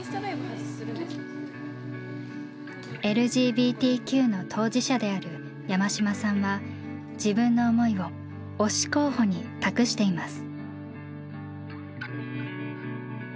ＬＧＢＴＱの当事者である山島さんは自分の思いを「推し候補」に託しています。